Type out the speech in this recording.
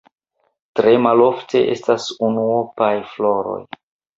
Tre malofte estas unuopaj floroj.